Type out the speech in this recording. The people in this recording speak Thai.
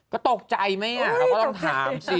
ก็ตกใจไหมเราก็ต้องถามสิ